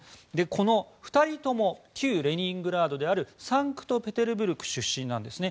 この２人とも旧レニングラードであるサンクトペテルブルク出身なんです。